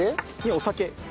お酒。